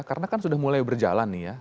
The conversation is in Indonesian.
karena kan sudah mulai berjalan nih ya